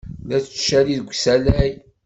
La ttcaliɣ deg usalay.